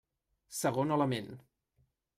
Segon element.